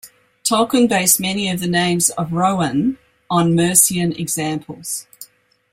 Tolkien based many of the names of Rohan on Mercian examples.